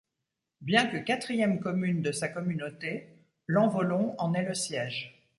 Bien que quatrième commune de sa communauté, Lanvollon en est le siège.